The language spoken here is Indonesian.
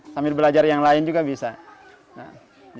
sambil belajar yang lain juga bisa